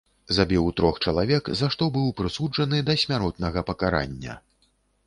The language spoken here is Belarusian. Забіў трох чалавек, за што быў прысуджаны да смяротнага пакарання.